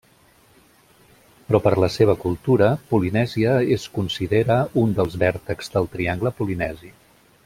Però per la seva cultura polinèsia es considera un dels vèrtexs del triangle polinesi.